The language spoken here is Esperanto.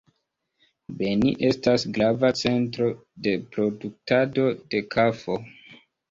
Beni estas grava centro de produktado de kafo.